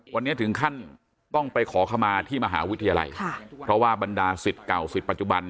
วันนี้ถึงขั้นต้องไปขอขมาที่มหาวิทยาลัยค่ะเพราะว่าบรรดาสิทธิ์เก่าสิทธิปัจจุบัน